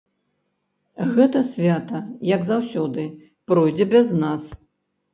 Гэта свята, як заўсёды, пройдзе без нас.